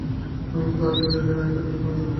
তাঁদের বোঝাব, আয়কর দিলে কোনো অসুবিধা নেই।